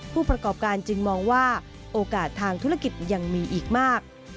ผู้ประกอบการจึงมองว่าโอกาสทางธุรกิจยังมีอีกมาก